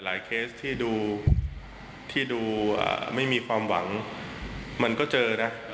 เคสที่ดูไม่มีความหวังมันก็เจอนะ